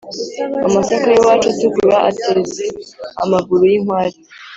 Amasaka y'iwacu atukura ateze-Amaguru y'inkware.